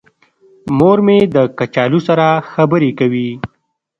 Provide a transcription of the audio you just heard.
مور مې د کچالو سره خبرې کوي.